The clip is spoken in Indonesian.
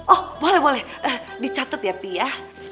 oh boleh boleh dicatat ya pi ya